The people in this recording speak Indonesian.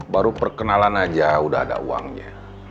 baru perkenalan aja udah ada uangnya